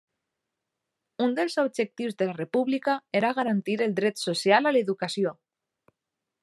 Un dels objectius de la República era garantir el dret social a l'educació.